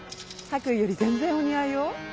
白衣より全然お似合いよ。